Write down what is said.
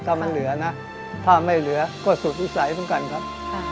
ถ้ามันเหลือนะถ้าไม่เหลือก็สุดวิสัยเหมือนกันครับ